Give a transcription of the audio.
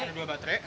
ada dua baterai